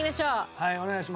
はいお願いします。